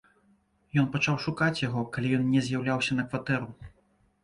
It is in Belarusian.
Ён пачаў шукаць яго, калі ён не з'яўляўся на кватэру.